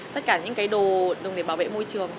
tất cả những cái đồ dùng để bảo vệ môi trường